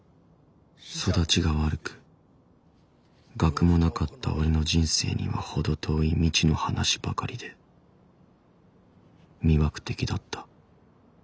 育ちが悪く学もなかった俺の人生には程遠い未知の話ばかりで魅惑的だった。